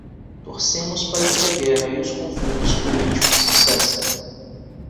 Torcemos para que a guerra e os conflitos políticos cessem